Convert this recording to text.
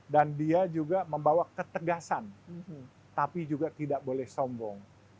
dan dia juga membawa ketegasan tapi juga tidak boleh sombong